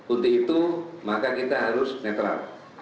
untuk itu maka kita harus netral